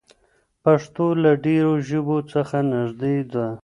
پښتو له ډېرو ژبو څخه نږدې ده.